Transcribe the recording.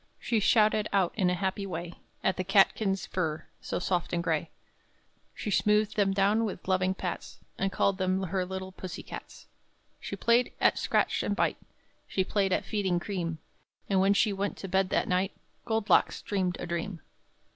She shouted out, in a happy way, At the catkins' fur, so soft and gray; She smoothed them down with loving pats, And called them her little pussie cats. She played at scratch and bite; She played at feeding cream; And when she went to bed that night, Gold Locks dreamed a dream.